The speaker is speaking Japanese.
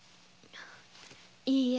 いいえ。